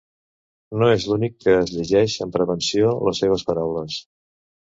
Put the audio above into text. No és l’únic que es llegeix amb prevenció les seves paraules.